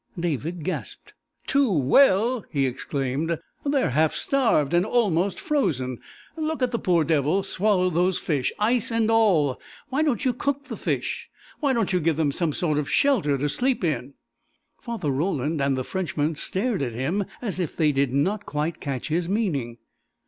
David gasped. "Too well!" he exclaimed. "They're half starved, and almost frozen! Look at the poor devils swallow those fish, ice and all! Why don't you cook the fish? Why don't you give them some sort of shelter to sleep in?" Father Roland and the Frenchman stared at him as if they did not quite catch his meaning.